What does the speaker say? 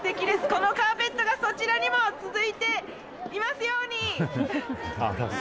このカーペットがそちらにも続いていますように！